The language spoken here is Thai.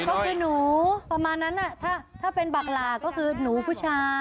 ก็คือหนูประมาณนั้นถ้าเป็นบักหลากก็คือหนูผู้ชาย